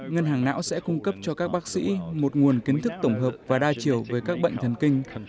ngân hàng não sẽ cung cấp cho các bác sĩ một nguồn kiến thức tổng hợp và đa chiều với các bệnh thần kinh